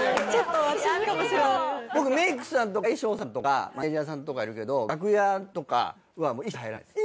僕メイクさんとか衣装さんとかマネージャーさんとかいるけど楽屋とかは一切入らないです。